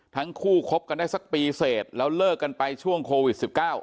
ทั้งคู่คบกันได้สักปีเสร็จแล้วเลิกกันไปช่วงโควิด๑๙